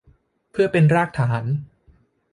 เพื่อเป็นรากฐาน